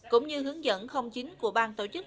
cũng như hướng dẫn không chính của bang tổ chức